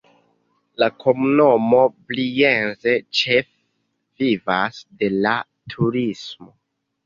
La komunumo Brienz ĉefe vivas de la turismo.